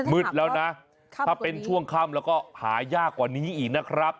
มืดแล้วนะถ้าเป็นช่วงค่ำแล้วก็หายากกว่านี้อีกนะครับ